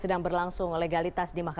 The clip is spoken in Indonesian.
saya perksifat penyelenggaratrek